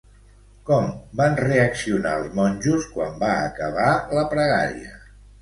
Com van reaccionar els monjos quan va acabar la pregària?